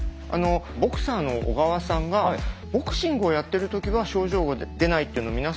ボクサーの小川さんがボクシングをやってる時は症状が出ないっていうの皆さん